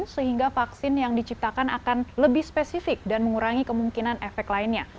sehingga vaksin yang diciptakan akan lebih spesifik dan mengurangi kemungkinan efek lainnya